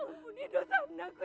ampuni dosa anakku